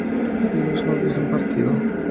ellos no hubiesen partido